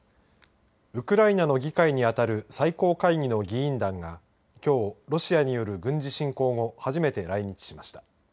ウクライナの議会にあたる最高会議の議員団がきょう、ロシアによる軍事侵攻後、初めて来日しました。